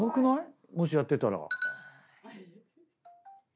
もしやってたら。